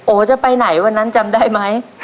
จะไปไหนวันนั้นจำได้ไหม